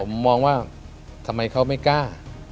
ผมมองว่าทำไมเขาไม่กล้า